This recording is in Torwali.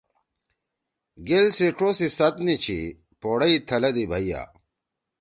گیل سی ڇو سی سد نی چھی پوڑئی تھلَدی بھئیا